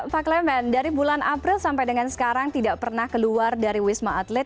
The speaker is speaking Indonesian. pak clement dari bulan april sampai dengan sekarang tidak pernah keluar dari wisma atlet